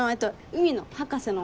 海の博士の。